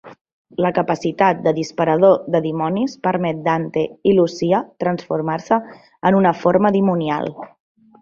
La capacitat de disparador de dimonis permet Dante i Lucia transformar-se en una forma dimonial.